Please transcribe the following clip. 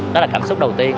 đó là cảm xúc đầu tiên